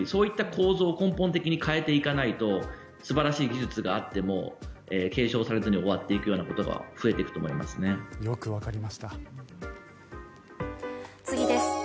そういった構図を根本的に変えていかないと素晴らしい技術があっても継承されずに終わっていくことが増えていくと思います。